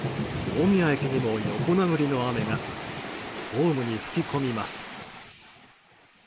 大宮駅にも横殴りの雨がホームに吹き込みます。